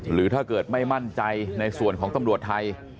หรือถ้าเกิดไม่มั่นใจในส่วนของตำรวจไทย